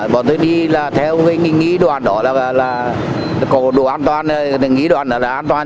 bọn tôi đi theo nghĩ đoạn đó là có đủ an toàn nghĩ đoạn đó là an toàn